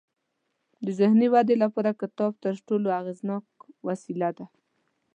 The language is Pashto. د ذهني ودې لپاره کتاب تر ټولو اغیزناک وسیله ده.